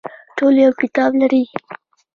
ټول یو کتاب لري